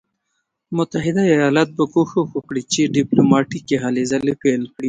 متحده ایالات به کوښښ وکړي چې ډیپلوماټیکي هلې پیل کړي.